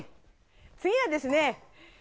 次はですね。